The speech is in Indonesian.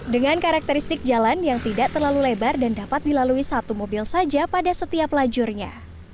dengan karakteristik jalan yang tidak terlalu lebar dan dapat dilalui satu mobil saja pada setiap lajurnya